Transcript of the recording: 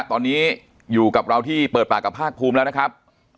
ตอนนี้อยู่กับเราที่เปิดปากกับภาคภูมิแล้วนะครับ